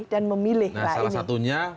dan memilih nah salah satunya